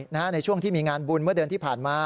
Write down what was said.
ในช่วงที่มีงานบุญเมื่อเดือนที่ผ่านมา